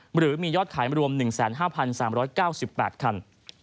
หรือมียอดขายรวม๑๕๓๙๘คัน